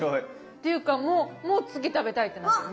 っていうかもう次食べたいってなってる。